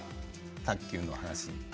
卓球の話。